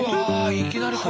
いきなりこれ。